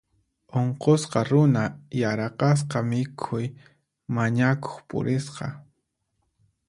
Unqusqa runa yaraqasqa mikhuy mañakuq purisqa.